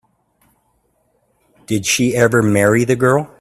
Did she ever marry the girl?